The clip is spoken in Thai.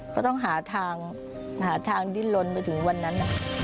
ก็ต้องหาทางหาทางดิ้นลนไปถึงวันนั้น